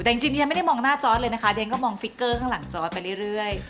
แต่จริงที่ฉันไม่ได้มองหน้าจอร์ดเลยนะคะเรียนก็มองฟิกเกอร์ข้างหลังจอร์ดไปเรื่อย